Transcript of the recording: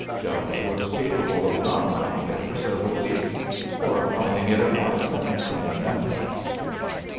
Jones was capable of not finding it for several weeks, or of finding it at once and saying nothing.